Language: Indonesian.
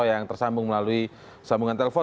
yang tersambung melalui sambungan telepon